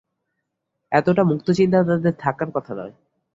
এতটা মুক্তচিন্তা তাদের থাকার কথা নয়।